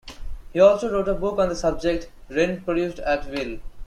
He also wrote a book on the subject, "Rain Produced At Will".